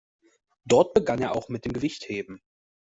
Dort begann er auch mit dem Gewichtheben.